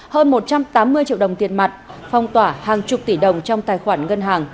hơn một trăm tám mươi triệu đồng tiền mặt phong tỏa hàng chục tỷ đồng trong tài khoản ngân hàng